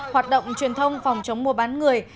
hoạt động truyền thông phòng chống mua bán người